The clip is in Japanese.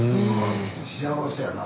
幸せやな。